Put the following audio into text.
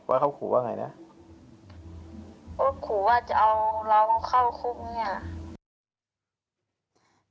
ว่าเขาขู่ว่าไงนะว่าขู่ว่าจะเอาเราเข้าคลุมเนี้ย